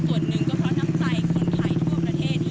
ส่วนหนึ่งก็เพราะน้ำใจคนไทยทั่วประเทศ